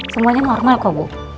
semuanya normal kok bu